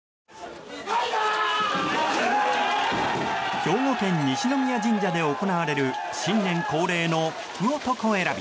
兵庫県・西宮神社で行われる新年恒例の福男選び。